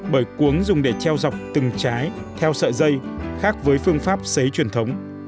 bởi cuống dùng để treo dọc từng trái theo sợi giây khác với phương pháp sấy truyền thống